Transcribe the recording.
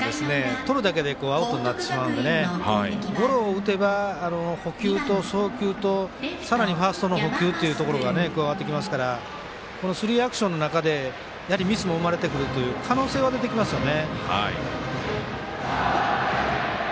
とるだけでアウトになってしまうのでゴロを打てば、捕球と送球とさらにファーストの捕球というところが加わってきますからスリーアクションの中でミスが生まれてくる可能性は出てきますよね。